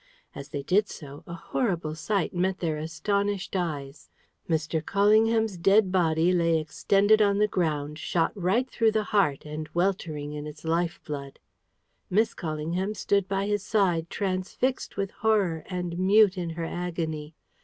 As they did so, a horrible sight met their astonished eyes. Mr. Callingham's dead body lay extended on the ground, shot right through the heart, and weltering in its life blood. Miss Callingham stood by his side, transfixed with horror, and mute in her agony.